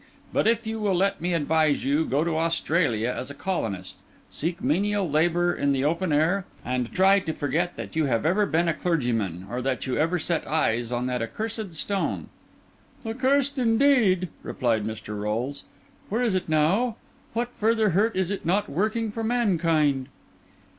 But if you will let me advise you, go to Australia as a colonist, seek menial labour in the open air, and try to forget that you have ever been a clergyman, or that you ever set eyes on that accursed stone." "Accurst indeed!" replied Mr. Rolles. "Where is it now? What further hurt is it not working for mankind?"